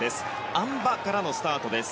あん馬からのスタートです。